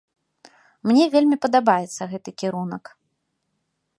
Мне вельмі падабаецца гэты кірунак.